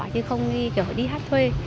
chứ không đi hát thuê